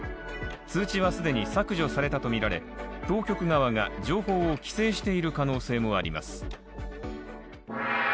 通知はすでに削除されたとみられ当局側が情報を規制している可能性もあります